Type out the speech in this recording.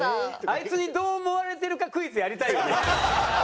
あいつにどう思われてるかクイズやりたいよね。